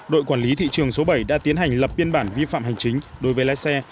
đội quản lý thị trường số bảy đã tiến hành lập biên bản vi phạm hành chính đối với lái xe